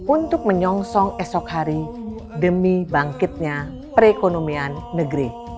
untuk menyongsong esok hari demi bangkitnya perekonomian negeri